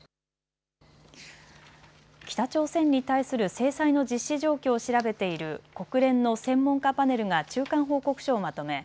北朝鮮に対する制裁の実施状況を調べている国連の専門家パネルが中間報告書をまとめ